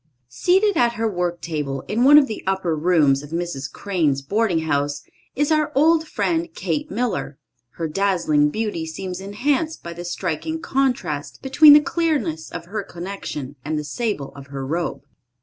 Seated at her work table, in one of the upper rooms of Mrs. Crane's boarding house, is our old friend, Kate Miller. Her dazzling beauty seems enhanced by the striking contrast between the clearness of her complexion and the sable of her robe.